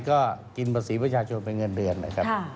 ก็กินภาษีประชาชนเป็นเงินเดือนนะครับ